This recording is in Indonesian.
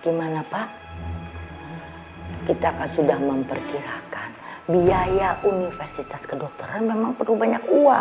gimana pak kita kan sudah memperkirakan biaya universitas kedokteran memang perlu banyak uang